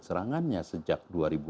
serangannya sejak dua ribu empat belas